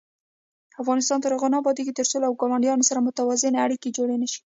افغانستان تر هغو نه ابادیږي، ترڅو له ګاونډیانو سره متوازنې اړیکې جوړې نشي.